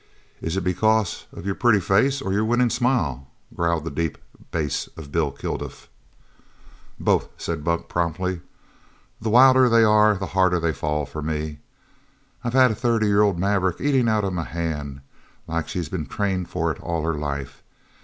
"Is it because of your pretty face or your winnin' smile?" growled the deep bass of Bill Kilduff. "Both!" said Buck, promptly. "The wilder they are the harder they fall for me. I've had a thirty year old maverick eatin' out of my hand like she'd been trained for it all her life.